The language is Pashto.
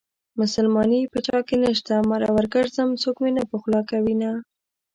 مسلماني په چاكې نشته مرور ګرځم څوك مې نه پخولاكوينه